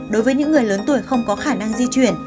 đối với những người lớn tuổi không có khả năng di chuyển